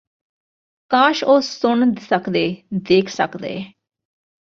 ਕਾਸ਼ ਉਹ ਸੁਣ ਸਕਦੇ ਦੇਖ ਸਕਦੇ